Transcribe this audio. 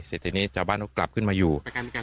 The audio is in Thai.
เสร็จทีนี้ชาวบ้านก็กลับขึ้นมาอยู่